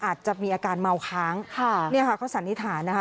อาจจะมีอาการเมาค้างค่ะเนี่ยค่ะเขาสันนิษฐานนะคะ